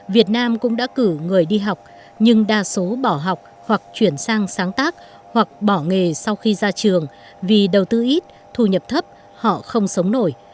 việt nam cũng đã cử người đi học nhưng đa số bỏ học hoặc chuyển sang sáng tác hoặc bỏ nghề sau khi ra trường vì đầu tư ít thu nhập thấp họ không sống nổi